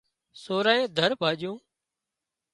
سورانئي ڌر ڀاڄون